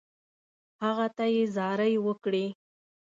هغه ته یې زارۍ وکړې.